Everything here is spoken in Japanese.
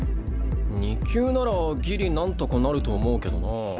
２級ならギリなんとかなると思うけどなぁ。